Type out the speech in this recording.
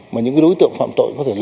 mà những đối tượng phạm tội có thể lấy ra